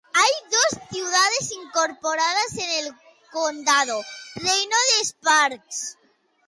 Hay dos ciudades incorporadas en el condado: Reno and Sparks.